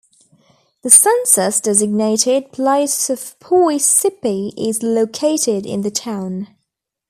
The census-designated place of Poy Sippi is located in the town.